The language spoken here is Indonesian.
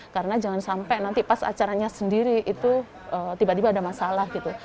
karena jangan sampai nanti pas acaranya sendiri itu tiba tiba ada masalah